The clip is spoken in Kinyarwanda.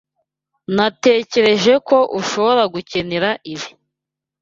Natekereje ko ushobora gukenera ibi.